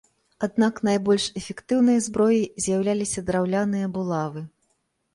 Аднак найбольш эфектыўнай зброяй з'яўляліся драўляныя булавы.